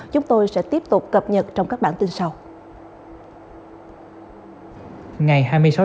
chúng tôi sẽ tiếp tục cập nhật trong các bản tin sau